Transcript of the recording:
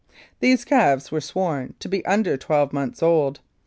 These calves were sworn to be under twelve months old.